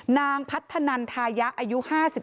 นางพัฒนันทายะอายุ๕๓